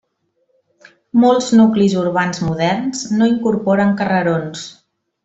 Molts nuclis urbans moderns no incorporen carrerons.